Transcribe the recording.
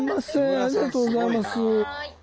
ありがとうございます。